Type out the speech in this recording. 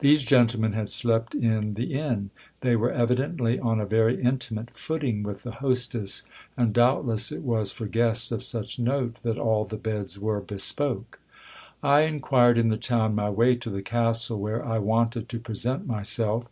These gentlemen had slept in the inn : they were evidently on a very intimate footing with the hostess : and doubtless it was for guests of such note that all the beds were bespoke. I inquired in the town my way to the castle where I wanted to present my self.